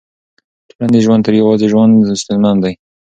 ټولنیز ژوند تر يوازي ژوند ستونزمن دی.